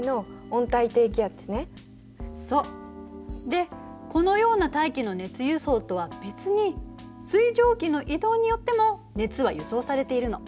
でこのような大気の熱輸送とは別に水蒸気の移動によっても熱は輸送されているの。